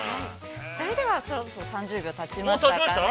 ◆それでは、そろそろ３０秒たちましたかね。